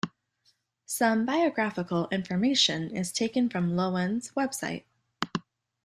Some biographical information is taken from Loewen's website.